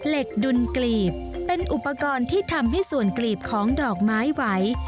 ดุลกลีบเป็นอุปกรณ์ที่ทำให้ส่วนกลีบของดอกไม้ไหว